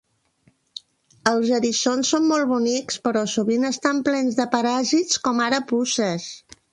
Els eriçons són molt bonics, però sovint estan plens de paràsits com ara puces.